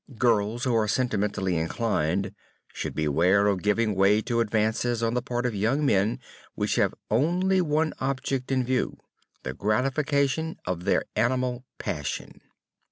Girls who are sentimentally inclined should beware of giving way to advances on the part of young men which have only one object in view: the gratification of their animal passion.